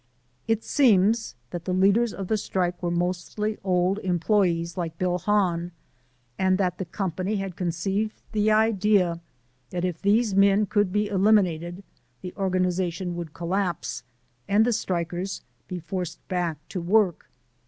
It seems that the leaders of the strike were mostly old employees like Bill Hahn, and the company had conceived the idea that if these men could be eliminated the organization would collapse, and the strikers be forced back to work.